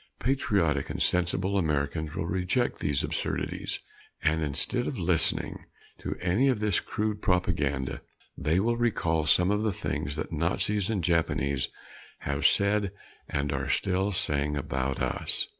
Patriotic and sensible Americans will reject these absurdities. And instead of listening to any of this crude propaganda, they will recall some of the things that Nazis and Japanese have said and are still saying about us.